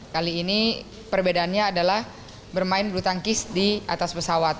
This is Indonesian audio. kali ini perbedaannya adalah bermain bulu tangkis di atas pesawat